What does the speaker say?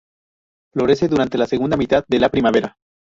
Florece durante la segunda mitad de la primavera.